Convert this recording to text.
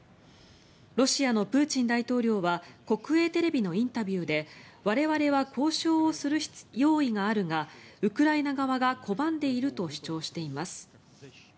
ロシアのプーチン大統領は国営テレビのインタビューで我々は交渉をする用意があるがウクライナ側が拒んでいると主張しています。